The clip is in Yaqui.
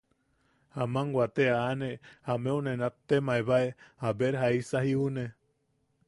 Aman wate aane, ameu ne nattemaebae, a ver jaisa jiune.